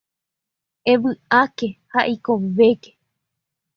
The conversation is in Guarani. Evy'áke ha eikovéke.